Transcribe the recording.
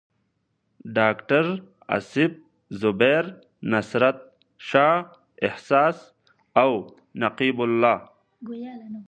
ډاکټر اصف زبیر، نصرت شاه احساس او نقیب الله.